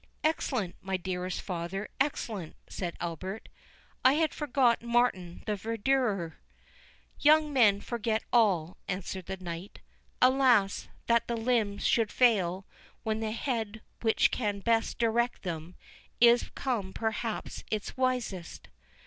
"Excellent, my dearest father, excellent," said Albert; "I had forgot Martin the verdurer." "Young men forget all," answered the knight—"Alas, that the limbs should fail, when the head which can best direct them—is come perhaps to its wisest!"